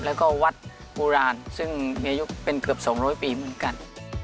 แล้วก็วัดอุราณซึ่งอายุเป็นเกือบสองร้อยปีเหมือนกัน